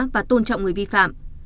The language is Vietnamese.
và tôn trọng người vi phạm